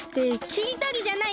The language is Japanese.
しりとりじゃない！